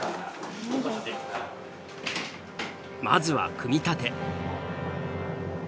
まずは組み立て。